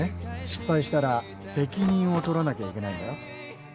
失敗したら責任を取らなきゃいけないんだよ。